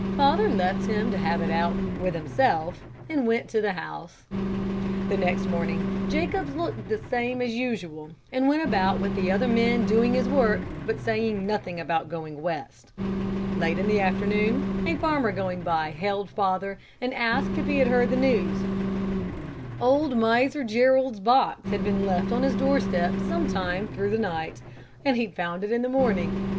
Father left him to have it out with himself, and went to the house. "The next morning, Jacobs looked just the same as usual, and went about with the other men doing his work, but saying nothing about going West. Late in the afternoon, a farmer going by hailed father, and asked if he'd heard the news. "Old Miser Jerrold's box had been left on his doorstep some time through the night, and he'd found it in the morning.